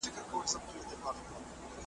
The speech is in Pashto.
وایي تم سه خاطرې دي راته وایي .